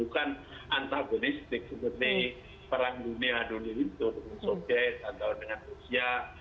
bukan antagonistik seperti perang dunia dunia itu dengan soekarno partano dengan rusia